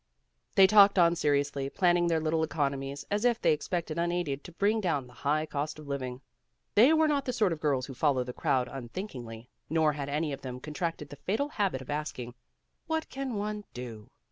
They talked on seriously, planning their little economies as if they expected unaided to bring down the high cost of living. They were not the sort of girls who follow the crowd un thinkingly, nor had any of them contracted the fatal habit of asking, "What can one do?"